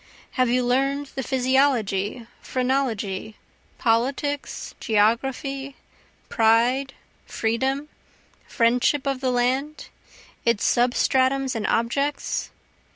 Have you learn'd the physiology, phrenology, politics, geography, pride, freedom, friendship of the land? its substratums and objects?